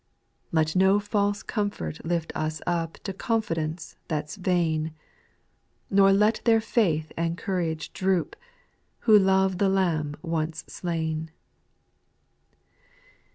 4. Let no false comfort lift us up To confidence that 's vain ; Nor let their faith and courage droop. Who love the Lamb once slain.